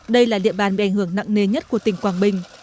đây là địa bàn bị ảnh hưởng nặng nề nhất của tỉnh quảng bình